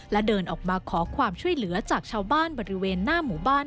และเดินออกมาขอความช่วยเหลือจากชาวบ้านบริเวณหน้าหมู่บ้าน